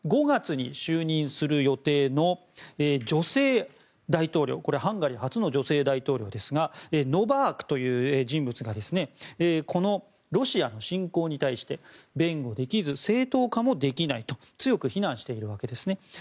５月に就任する予定のハンガリー初の女性大統領ですがノバークという人物がこのロシアの侵攻に対して弁護できず正当化もできないと強く非難しているわけですね。